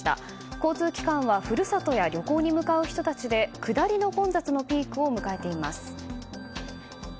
交通機関は故郷や旅行に向かう人たちで下りの混雑のピークを迎えています。